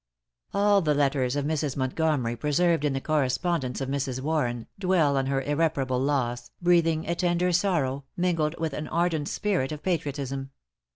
All the letters of Mrs. Montgomery preserved in the correspondence of Mrs. Warren, dwell on her irreparable loss, breathing a tender sorrow, mingled with an ardent spirit of patriotism.